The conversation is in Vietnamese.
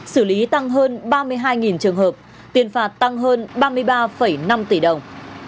xử lý tăng hơn ba mươi hai trường hợp tiền phạt tăng hơn ba mươi ba năm tỷ đồng